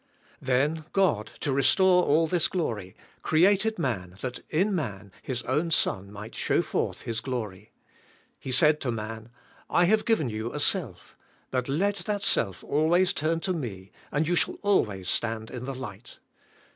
Then God, to restore all this glory, created man that in man His own Son might show forth His glory. He said to man, "I have given you a self, but let that self always turn to me and you shall always stand in the light.